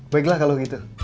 baiklah kalau gitu